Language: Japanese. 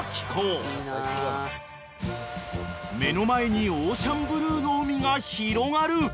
［目の前にオーシャンブルーの海が広がる］